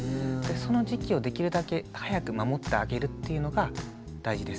その時期をできるだけ早く守ってあげるっていうのが大事です。